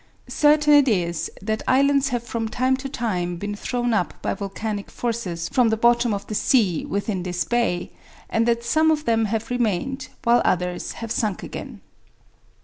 Certain it is that islands have from time to time been thrown up by volcanic forces from the bottom of the sea within this bay, and that some of them have remained, while others have sunk again.